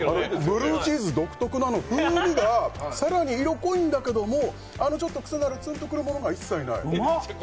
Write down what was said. ブルーチーズ独特の風味が更に色濃いんだけれども、あの、ちょっとクセのあるツンと来るものが一切ない。